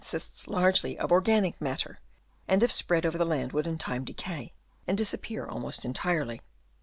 sists largely of organic matter, and if spread over the land would in time decay and dis appear almost entirely.